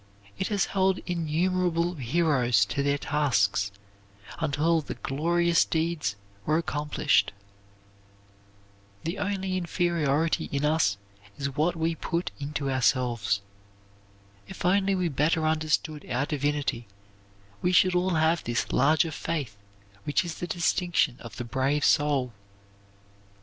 It has held innumerable heroes to their tasks until the glorious deeds were accomplished. The only inferiority in us is what we put into ourselves. If only we better understood our divinity we should all have this larger faith which is the distinction of the brave soul.